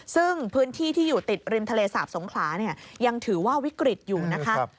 ซึ่งพื้นที่ที่อยู่ติดริมทะเลสาบสงขลาเนี่ยยังถือว่าวิกฤตอยู่นะคะ